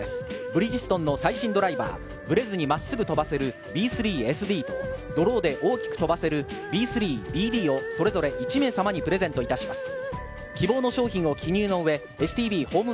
ブリヂストンの最新ドライバー、ブレずに真っすぐ飛ばせるＢ３ＳＤと、ドローで大きく飛ばせるＢ３ＤＤをそれぞれ１名様にプレゼントいたします。